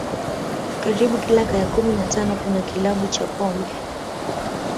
Karibu kila kaya kumi na tano kuna kilabu cha pombe